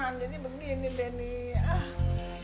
santesnya kau ini enak shay